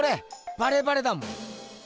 バレバレだもん。